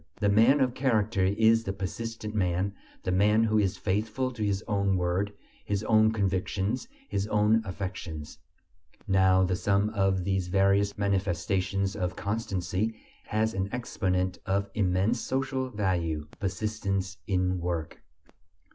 The man of character is the persistent man, the man who is faithful to his own word, his own convictions, his own affections. Now the sum of these various manifestations of constancy has an exponent of immense social value: persistence in work.